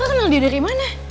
aku kenal dia dari mana